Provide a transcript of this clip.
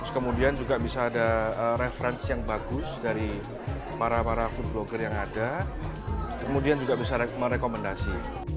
kemudian juga bisa ada referensi yang bagus dari para para food blogger yang ada kemudian juga bisa merekomendasi